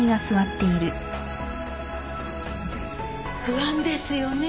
不安ですよね。